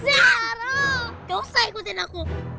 gak usah ikutin aku